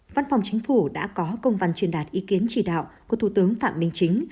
văn phòng chính phủ đã có công văn truyền đạt ý kiến chỉ đạo của thủ tướng phạm minh chính